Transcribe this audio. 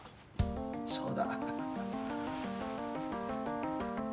そうだ。